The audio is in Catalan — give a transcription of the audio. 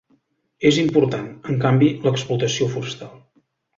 És important, en canvi, l'explotació forestal.